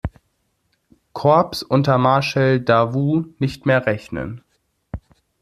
Korps unter Marschall Davout nicht mehr rechnen.